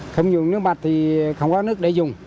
không dùng nước mạch thì không có nước để dùng